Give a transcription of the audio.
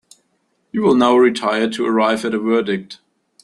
You will now retire to arrive at a verdict.